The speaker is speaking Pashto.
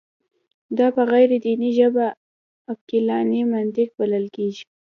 دا په غیر دیني ژبه عقلاني منطق بلل کېږي.